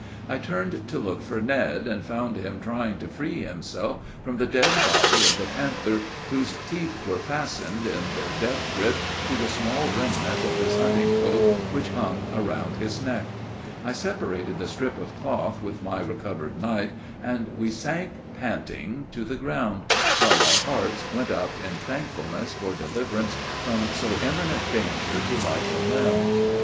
I turned to look for Ned, and found him trying to free himself from the dead body of the panther, whose teeth were fastened, in their death grip, to the small remnant of his hunting coat which hung around his neck; I separated the strip of cloth with my recovered knife, and we sank panting to the ground, while our hearts went up in thankfulness for deliverance from so imminent danger to life and limb.